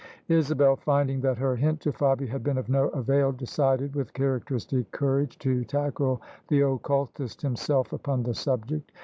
Isabel, finding that her hint to Fabia had been of no avail, decided, with characteristic courage, to tackle the occultist himself upon the subject.